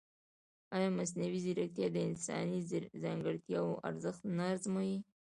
ایا مصنوعي ځیرکتیا د انساني ځانګړتیاوو ارزښت نه ازموي؟